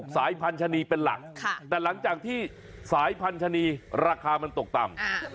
สายพันธุ์ชะนีราคามันตกต่ำ